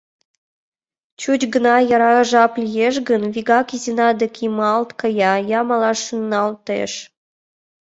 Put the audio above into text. Чуч гына яра жап лиеш гын, вигак Изина дек йымалт кая, я малаш шуҥгалтеш.